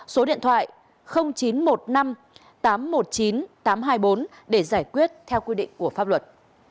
số điện thoại chín trăm một mươi năm tám trăm một mươi chín tám trăm hai mươi bốn để giải quyết theo quy định của pháp luật